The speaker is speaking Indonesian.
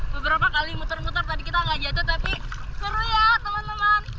beberapa kali muter muter tadi kita nggak jatuh tapi seru ya teman teman